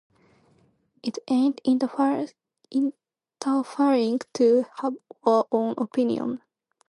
It ain’t interfering to have your own opinion.